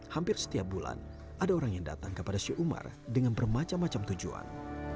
hampir setiap bulan ada orang yang datang kepada syi umar dengan bermacam macam tujuan